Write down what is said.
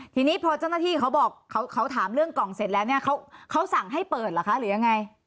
ทีนี้พอเจ้าหน้าที่เขาบอกเขาถามเรื่องกล่องเสร็จแล้วเนี่ยเขาสั่งให้เปิดเหรอคะหรือยังไง